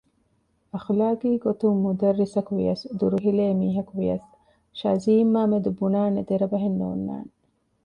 އަޚުލާޤީ ގޮތުން މުދައްރިސަކު ވިޔަސް ދުރުހިލޭ މީހަކުވިޔަސް ޝަޒީމް އާމެދު ބުނާނެ ދެރަ ބަހެއް ނޯންނާނެ